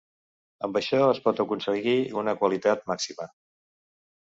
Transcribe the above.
Amb això es pot aconseguir una qualitat màxima.